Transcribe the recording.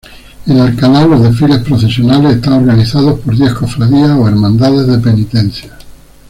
En Alcalá los desfiles procesionales están organizadas por diez cofradías o hermandades de penitencia.